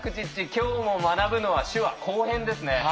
今日も学ぶのは手話後編ですね。